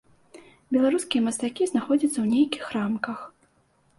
Беларускія мастакі знаходзяцца ў нейкіх рамках.